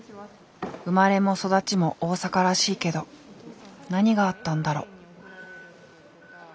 生まれも育ちも大阪らしいけど何があったんだろう？